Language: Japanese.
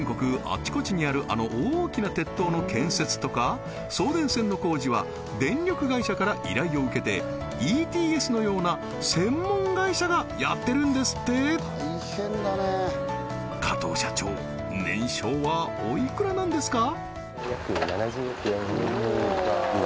あちこちにあるあの大きな鉄塔の建設とか送電線の工事は電力会社から依頼を受けてＥＴＳのような専門会社がやってるんですって加藤社長年商はおいくらなんですか？